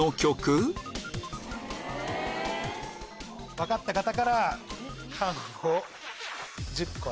分かった方から缶を１０個。